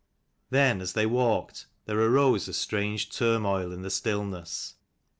Then as they walked there arose a strange turmoil in the stillness.